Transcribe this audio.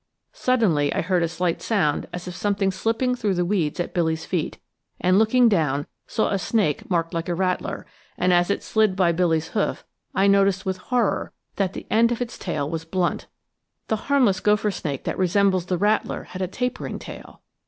Suddenly I heard a slight sound as of something slipping through the weeds at Billy's feet, and looking down saw a snake marked like a rattler; and as it slid by Billy's hoof I noticed with horror that the end of its tail was blunt the harmless gopher snake that resembles the rattler has a tapering tail!